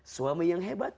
suami yang hebat